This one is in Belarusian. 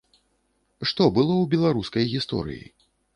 Што было ў беларускай гісторыі?